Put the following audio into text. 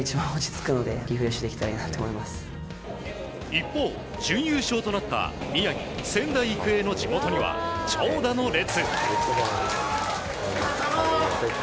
一方、準優勝となった宮城・仙台育英の地元には長蛇の列。